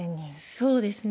そうですね。